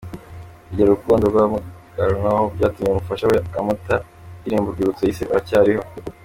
Kubera urukundo rwamurangagwaho byatumye umufasha we amutura indirimbo y’urwibutso yise “Uracyariho”.